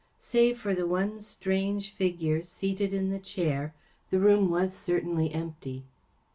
Save for the one strange figure seated in the chair, the room was certainly empty.